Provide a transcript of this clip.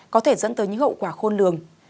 có thể dẫn tới những hậu quả khôn lường